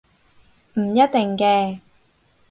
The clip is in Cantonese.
唔一定嘅